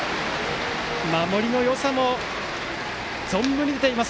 守りのよさも存分に出ています